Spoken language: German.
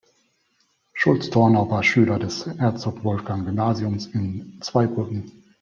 Schultz-Tornau war Schüler des Herzog-Wolfgang-Gymnasiums in Zweibrücken.